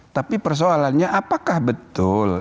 tapi persoalannya apakah betul